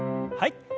はい。